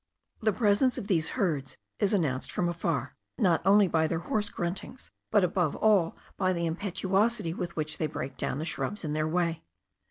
The presence of these herds is announced from afar, not only by their hoarse gruntings, but above all by the impetuosity with which they break down the shrubs in their way.